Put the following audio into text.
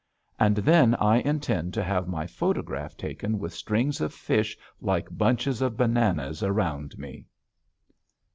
And then I intend to have my photograph taken with strings of fish like bunches of bananas around me.